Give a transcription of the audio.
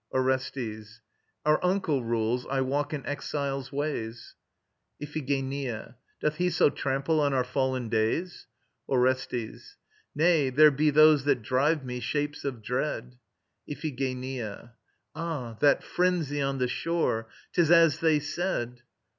ORESTES. Our uncle rules. I walk an exile's ways. IPHIGENIA. Doth he so trample on our fallen days? ORESTES. Nay: there be those that drive me, Shapes of Dread. IPHIGENIA. Ah! That frenzy on the shore! 'Tis as they said...